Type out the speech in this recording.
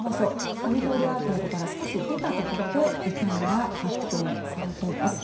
上通アーケードから少し出たところで遺体が発見されています。